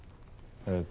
えっと。